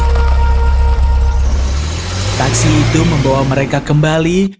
taksi itu membawa mereka kembali